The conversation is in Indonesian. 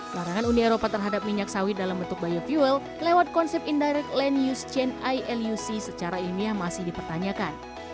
larangan uni eropa terhadap minyak sawit dalam bentuk biofuel lewat konsep indirect land use chain iluc secara ilmiah masih dipertanyakan